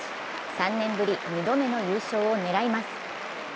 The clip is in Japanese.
３年ぶり２度目の優勝を狙います。